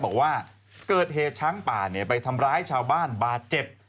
บอกว่าเกิดเหตุช้างป่าไปทำร้ายชาวบ้านบาดเจ็บ